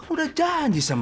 anda sudah janji dengan saya